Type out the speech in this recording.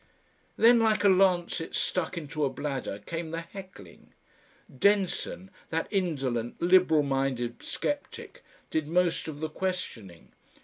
Then like a lancet stuck into a bladder came the heckling. Denson, that indolent, liberal minded sceptic, did most of the questioning.